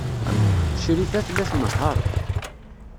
Crifa tella tnehheṛ.